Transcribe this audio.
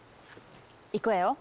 いくわよ。